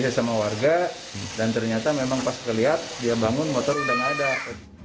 lalu pun leluasa mengeluarkan motor dari garasi rumah